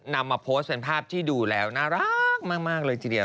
นำมาโพสต์เป็นภาพที่ดูแล้วน่ารักมากเลยทีเดียว